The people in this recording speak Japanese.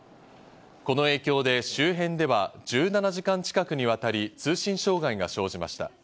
この影響で周辺では１７時間近くにわたり通信障害が生じました。